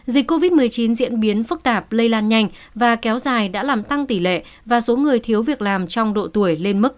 dịch covid một mươi chín diễn biến phức tạp lây lan nhanh và kéo dài đã làm tăng tỷ lệ và số người thiếu việc làm trong độ tuổi lên mức